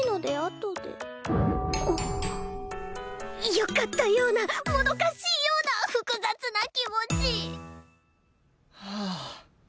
よかったようなもどかしいような複雑な気持ちはあ。